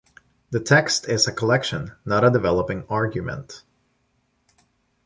The text is a collection, not a developing argument.